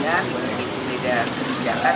dan boleh beda kebijakan